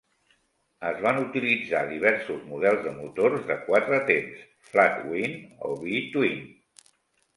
Es van utilitzar diversos models de motors de quatre temps, Flat-twin o V-twin